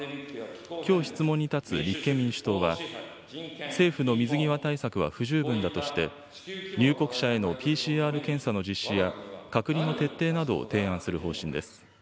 きょう質問に立つ立憲民主党は、政府の水際対策は不十分だとして、入国者へのＰＣＲ検査の実施や、隔離の徹底などを提案する方針です。